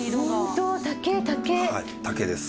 竹です。